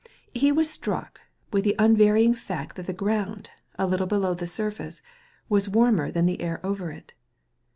He was struck with the unvarying fact that the ground, a little below the surface, was warmer than the air over it.